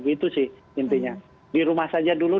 gitu sih intinya di rumah saja dulu